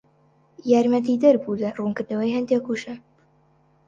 یارمەتیدەر بوو لە ڕوونکردنەوەی هەندێک وشە